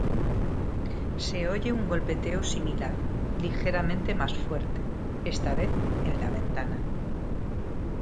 Se oye un golpeteo similar, ligeramente más fuerte, esta vez en la ventana.